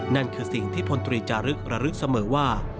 นั่นคือสิ่งที่พลตรีจารึกระลึกเสมอว่า